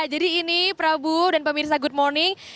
jadi ini prabu dan pemirsa good morning